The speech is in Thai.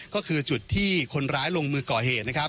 ก็คือจุดที่คนร้ายลงมือก่อเหตุ